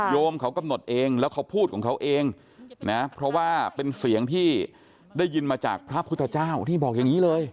มเขากำหนดเองแล้วเขาพูดของเขาเองนะเพราะว่าเป็นเสียงที่ได้ยินมาจากพระพุทธเจ้าที่บอกอย่างนี้เลย